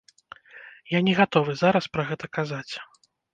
Я не гатовы зараз пра гэта казаць.